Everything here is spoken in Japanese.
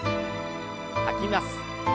吐きます。